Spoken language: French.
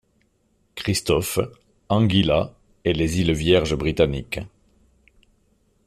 Christophe, Anguilla et les îles Vierges britanniques.